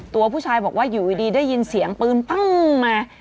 ตัวผู้ชายบอกว่าอยู่ดีได้ยินเสียงปืนปั้งมา